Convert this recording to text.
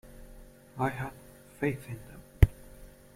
I had faith in them.